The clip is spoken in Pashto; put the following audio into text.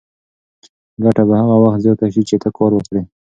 ګټه به هغه وخت زیاته شي چې ته کار وکړې.